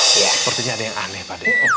sepertinya ada yang aneh pak